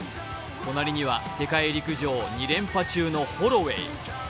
隣には世界陸上２連覇中のホロウェイ。